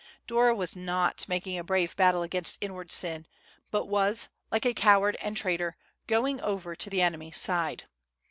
Dora was not making a brave battle against inward sin, but was, like a coward and traitor, going over to the enemy's side.